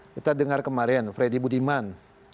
kita dengar kemarin freddy budiman